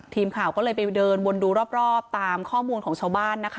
ทีมข่าวก็เลยไปเดินวนดูรอบตามข้อมูลของชาวบ้านนะคะ